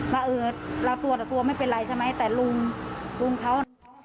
ว่าเออเราตัวไม่เป็นไรใช่ไหมแต่รุงเขา